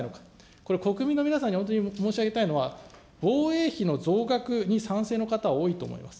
これ、国民の皆さんに本当に申し上げたいのは、防衛費の増額に賛成の方、多いと思います。